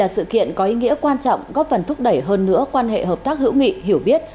sự kiện có ý nghĩa quan trọng góp phần thúc đẩy hơn nữa quan hệ hợp tác hữu nghị hiểu biết